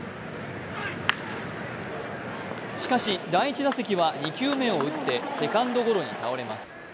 しかし、第１打席は２球目を打ってセカンドゴロに倒れます。